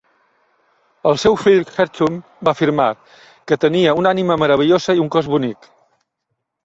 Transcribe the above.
El seu fill Hethum va afirmar que "tenia una ànima meravellosa i un cos bonic".